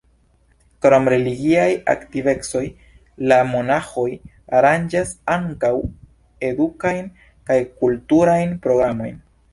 Krom religiaj aktivecoj la monaĥoj aranĝas ankaŭ edukajn kaj kulturajn programojn.